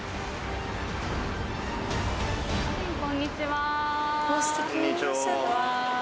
こんにちは。